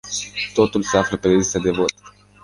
Totul se află pe lista de vot.